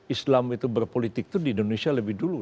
islam itu berpolitik itu di indonesia lebih dulu